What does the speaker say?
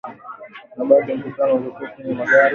na bado mkutano ulikuwa kwenye magari